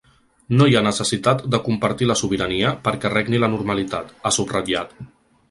“No hi ha necessitat de compartir la sobirania perquè regni la normalitat”, ha subratllat.